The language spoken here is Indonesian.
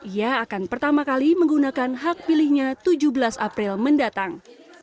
ia akan pertama kali menggunakan hak pilihnya tujuh belas april mendatang